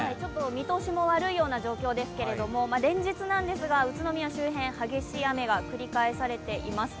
見通しも悪いような状況ですけれども連日、宇都宮周辺激しい雨が繰り返されています。